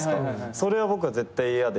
それは僕は絶対嫌で。